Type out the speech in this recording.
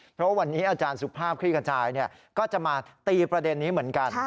เพราะวันนี้อาจารย์สุภาพคลี่ขจายก็จะมาตีประเด็นนี้เหมือนกัน